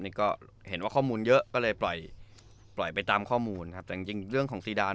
นี่ก็เห็นว่าข้อมูลเยอะก็เลยปล่อยปล่อยไปตามข้อมูลครับแต่จริงจริงเรื่องของซีดาน